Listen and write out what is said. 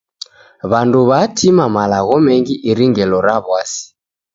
W'andu w'atima malagho mengi iri ngelo ra w'asi.